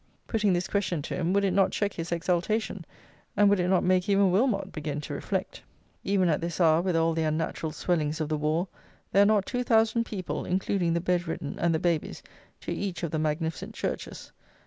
Putting this question to him, would it not check his exultation, and would it not make even Wilmot begin to reflect? Even at this hour, with all the unnatural swellings of the war, there are not two thousand people, including the bed ridden and the babies, to each of the magnificent churches.